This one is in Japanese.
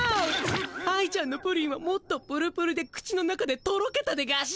愛ちゃんのプリンはもっとぷるぷるで口の中でとろけたでガシ。